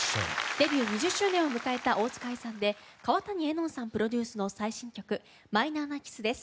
デビュー２０周年を迎えた大塚愛さんで川谷絵音さんプロデュースの最新曲「マイナーなキス」です。